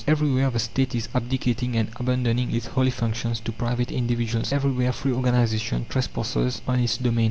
Everywhere the State is abdicating and abandoning its holy functions to private individuals. Everywhere free organization trespasses on its domain.